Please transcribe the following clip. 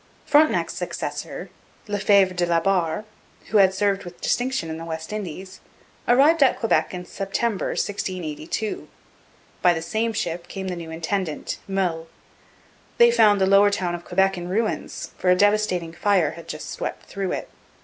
Frontenac's successor, Lefebvre de la Barre, who had served with distinction in the West Indies, arrived at Quebec in September 1682. By the same ship came the new intendant, Meulles. They found the Lower Town of Quebec in ruins, for a devastating fire had just swept through it.